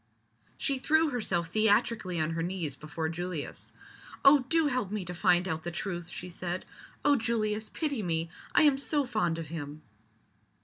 She threw herself theatrically on her knees before Julius. "Oh, do help me to find out the truth!" she said. "Oh, Julius, pity me! I am so fond of him!"